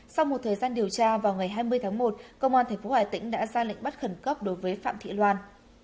sau một thời gian điều tra vào ngày hai mươi tháng một công an tp hà tĩnh đã ra lệnh bắt khẩn cấp đối với phạm thị loan